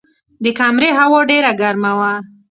د کمرې هوا ډېره ګرمه وه.